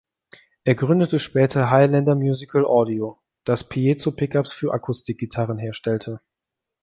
Er gründete später Highlander Musical Audio, das Piezo-Pickups für Akustikgitarren herstellte.